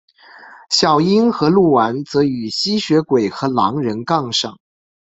小樱和鹿丸则与吸血鬼和狼人杠上。